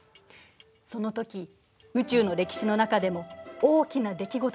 そのとき宇宙の歴史の中でも大きな出来事があったのよ。